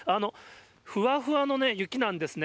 ふわふわの雪なんですね。